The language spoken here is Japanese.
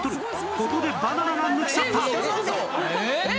ここでバナナが抜き去った！